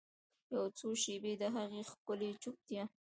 یوڅو شیبې د هغې ښکلې چوپتیا